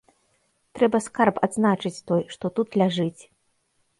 Трэба скарб адзначыць той, што тут ляжыць.